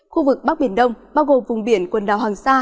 khu vực bắc biển đông bao gồm vùng biển quần đảo hoàng sa